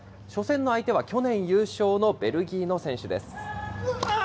初戦の相手は去年優勝のベルギーの選手です。